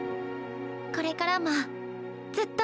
これからもずっと！